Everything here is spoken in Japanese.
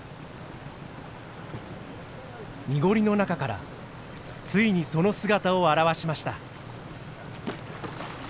濁りの中からついにその姿を現しました。